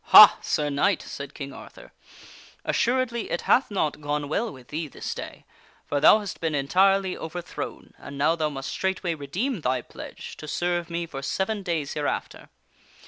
" Ha! Sir Knight," said King Arthur, "assuredly it hath not gone well with thee this day, for thou hast been entirely overthrown and now thou must straightway redeem thy pledge to serve me for seven days hereafter.